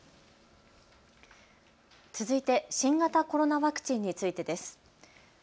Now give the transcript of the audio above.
続いて新型コロナワクチンについてです。